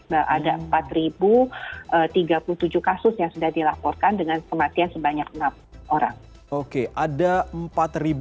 ada empat tiga puluh tujuh kasus yang sudah dilaporkan dengan kematian sebanyak enam orang